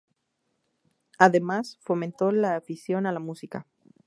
Además, fomentó la afición a la música.